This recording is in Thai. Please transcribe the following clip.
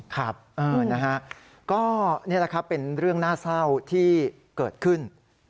ครับนะฮะก็นี่แหละครับเป็นเรื่องน่าเศร้าที่เกิดขึ้น